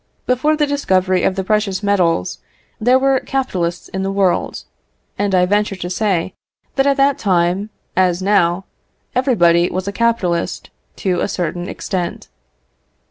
Before the discovery of the precious metals, there were capitalists in the world; and I venture to say that at that time, as now, everybody was a capitalist, to a certain extent.